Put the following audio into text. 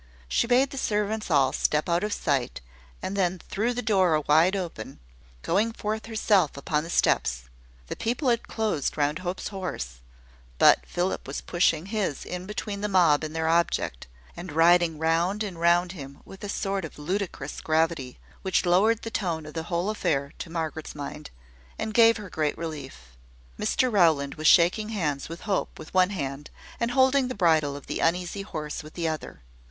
She bade the servants all step out of sight, and then threw the door wide open, going forth herself upon the steps. The people had closed round Hope's horse; but Philip was pushing his in between the mob and their object, and riding round and round him with a sort of ludicrous gravity, which lowered the tone of the whole affair to Margaret's mind, and gave her great relief. Mr Rowland was shaking hands with Hope with one hand, and holding the bridle of the uneasy horse with the other.